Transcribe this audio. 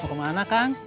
mau kemana kang